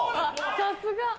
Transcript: さすが。